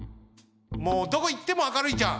もうどこいっても明るいじゃん！